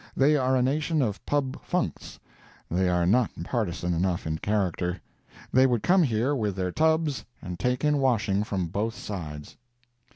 They are a nation of Pub Funcs. They are not partisan enough in character. They would come here with their tubs and take in washing from both sides.